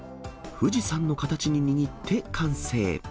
富士山の形に握って完成。